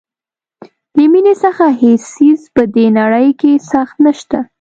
له مینې څخه هیڅ څیز په دې نړۍ کې سخت نشته.